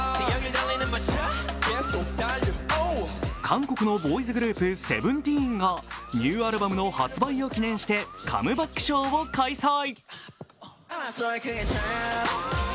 韓国のボーイズグループＳＥＶＥＮＴＥＥＮがニューアルバムの発売を記念してカムバックショーを開催。